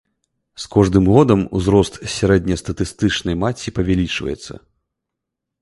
З кожным годам узрост сярэднестатыстычнай маці павялічваецца.